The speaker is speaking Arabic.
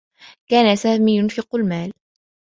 كان سامي ينفق المال.